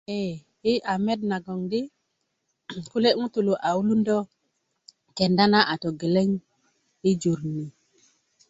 e yi a met nagon di kule ŋutu a wulundö kenda na a togeleŋ i jur ni